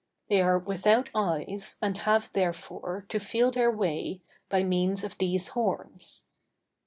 They are without eyes, and have, therefore, to feel their way, by means of these horns.